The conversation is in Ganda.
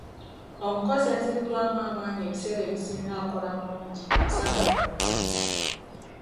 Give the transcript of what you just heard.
Omukozi azziddwamu amaanyi ebiseera ebisinga akola bulungi nga musanyufu ku mulimu.